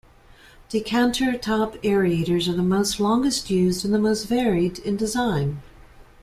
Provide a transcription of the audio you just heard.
Decanter-top aerators are the longest used and the most varied in design.